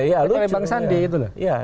itu dari bang sandi gitu loh